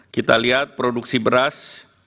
kita lihat produksi beras